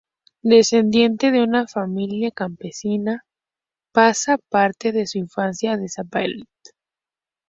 Descendiente de una familia campesina, pasa parte de su infancia en Sabadell.